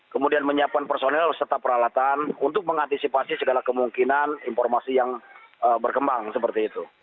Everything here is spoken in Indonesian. kemudian menyiapkan personel serta peralatan untuk mengantisipasi segala kemungkinan informasi yang berkembang seperti itu